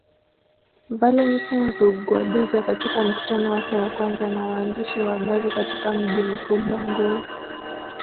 Valentine Rugwabiza katika mkutano wake wa kwanza na waandishi wa habari katika mji mkuu Bangui